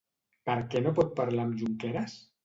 Per què no pot parlar amb Junqueras?